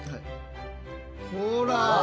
ほら。